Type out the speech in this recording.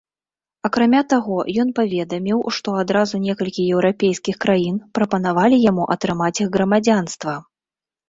Акрамя таго, ён паведаміў, што адразу некалькі еўрапейскіх краін прапанавалі яму атрымаць іх грамадзянства.